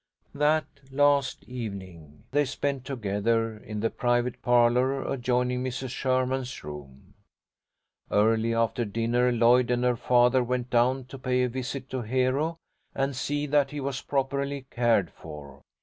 That last evening they spent together in the private parlour adjoining Mrs. Sherman's room. Early after dinner Lloyd and her father went down to pay a visit to Hero, and see that he was properly cared for.